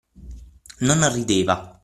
Non rideva.